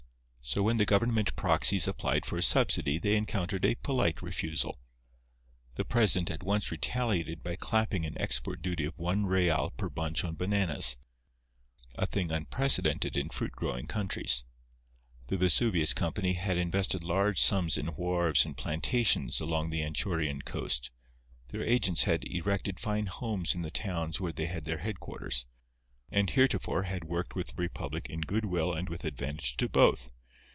So when the government proxies applied for a subsidy they encountered a polite refusal. The president at once retaliated by clapping an export duty of one real per bunch on bananas—a thing unprecedented in fruit growing countries. The Vesuvius Company had invested large sums in wharves and plantations along the Anchurian coast, their agents had erected fine homes in the towns where they had their headquarters, and heretofore had worked with the republic in good will and with advantage to both.